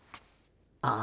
ああ。